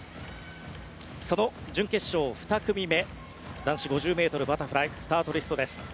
その準決勝２組目男子５０ｍバタフライスタートリストです。